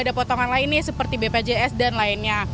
ada potongan lainnya seperti bpjs dan lainnya